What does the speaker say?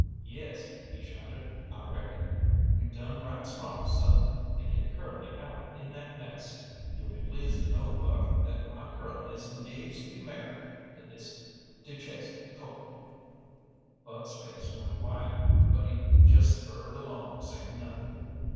"Yes," he shouted, "I reckon. You done right smart, seh, to get Curly out 'n that mess." "You'll be pleased to know, Buck, that my Curly is engaged to be mar'ied to this du Chesnay colt." Buck's face went white, but he just spurred along saying nothing.